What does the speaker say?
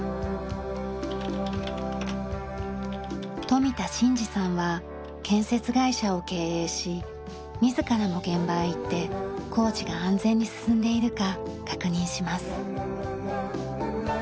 富田伸司さんは建設会社を経営し自らも現場へ行って工事が安全に進んでいるか確認します。